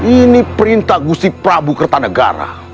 ini perintah gusi prabu kertanegara